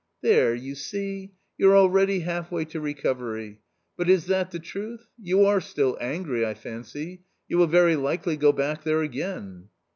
" There, you see ! you're already halfway to recovery. But is that the truth ? you are still angry, I fancy ; you will very likely go back there again."